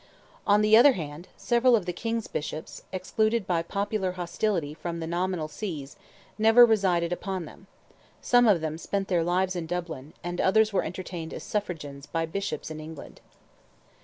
On the other hand, several of the King's Bishops, excluded by popular hostility from the nominal sees, never resided upon them; some of them spent their lives in Dublin, and others were entertained as suffragans by Bishops in England.